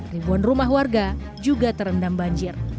ribuan rumah warga juga terendam banjir